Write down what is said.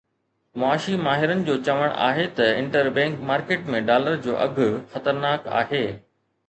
معاشي ماهرن جو چوڻ آهي ته انٽر بئنڪ مارڪيٽ ۾ ڊالر جو اگهه خطرناڪ آهي